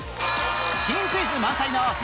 新クイズ満載の２時間